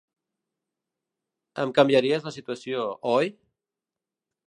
Em canviaries la situació, oi?